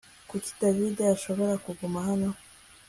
Kuki David adashobora kuguma hano